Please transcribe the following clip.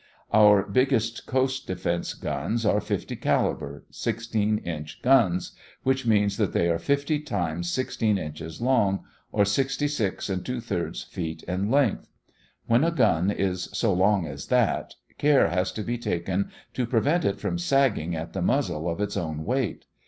Our biggest coast defense guns are 50 caliber 16 inch guns, which means that they are fifty times 16 inches long, or 66 2/3 feet in length. When a gun is as long as that, care has to be taken to prevent it from sagging at the muzzle of its own weight.